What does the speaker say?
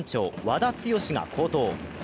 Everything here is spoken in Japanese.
和田毅が好投。